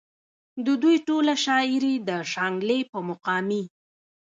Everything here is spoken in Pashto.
د دوي ټوله شاعري د شانګلې پۀ مقامي